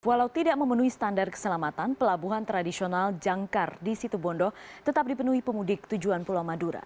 walau tidak memenuhi standar keselamatan pelabuhan tradisional jangkar di situ bondo tetap dipenuhi pemudik tujuan pulau madura